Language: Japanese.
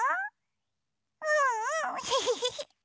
うんうんヘヘヘヘ！